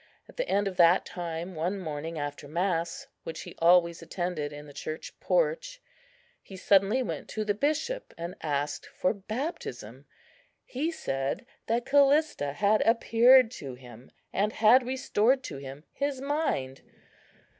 At the end of that time, one morning, after mass, which he always attended in the church porch, he suddenly went to the bishop, and asked for baptism. He said that Callista had appeared to him, and had restored to him his mind.